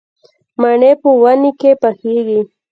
مڼې په ونې کې پخېږي